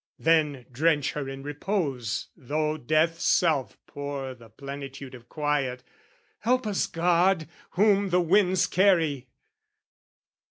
"Then drench her in repose though death's self pour "The plenitude of quiet, help us, God, "Whom the winds carry!"